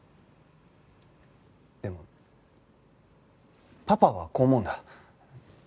でもパパはこう思うんだ。